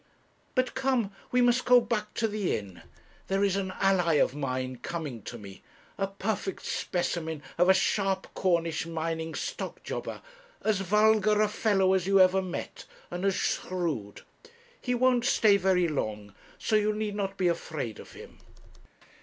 But come, we must go back to the inn; there is an ally of mine coming to me; a perfect specimen of a sharp Cornish mining stock jobber as vulgar a fellow as you ever met, and as shrewd. He won't stay very long, so you need not be afraid of him.'